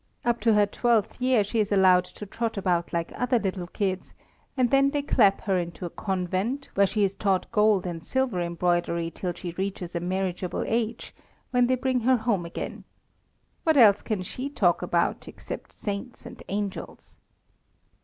Up to her twelfth year she is allowed to trot about like other little kids, and then they clap her into a convent, where she is taught gold and silver embroidery till she reaches a marriageable age, when they bring her home again. What else can she talk about except saints and angels!